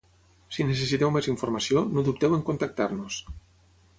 Si necessiteu més informació, no dubteu en contactar-nos!